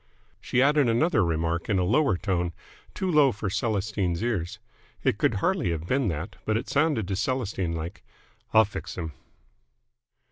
She added another remark in a lower tone, too low for Celestine's ears. It could hardly have been that, but it sounded to Celestine like: "I'll fix 'm!"